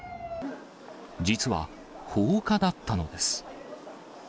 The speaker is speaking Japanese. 実は放火だったのです。